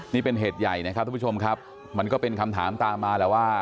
นี่เป็นเหตุใหญ่นะครับทุกผู้ชมครับมันก็เป็นคำถามตามมาแหละว่า